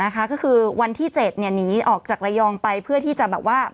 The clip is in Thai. ก็คือวันที่๗หนีออกจากระยองไปเพื่อที่จะแบบว่า